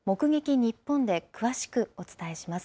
にっぽんで詳しくお伝えします。